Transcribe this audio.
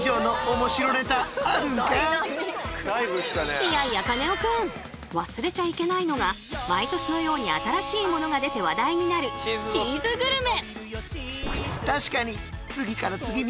いやいやカネオくん！忘れちゃいけないのが毎年のように新しいものが出て話題になるチーズグルメ！